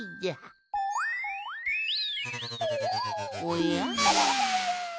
おや？